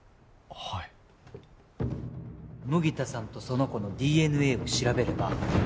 はい麦田さんとその子の ＤＮＡ を調べれば